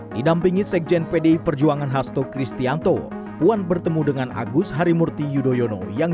didampingi sekjen pdi perjuangan hasto kristianto puan bertemu dengan agus harimurti yudhoyono yang